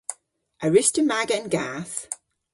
A wruss'ta maga an gath?